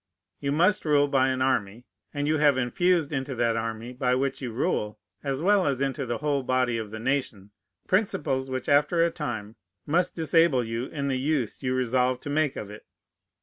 You must rule by an army; and you have infused into that army by which you rule, as well as into the whole body of the nation, principles which after a time must disable you in the use you resolve to make of it.